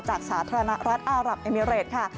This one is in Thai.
สาธารณรัฐอารับเอมิเรตค่ะ